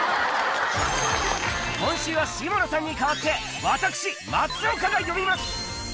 今週は下野さんに代わって私松岡が挑みます！